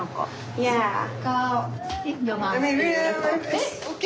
えっＯＫ？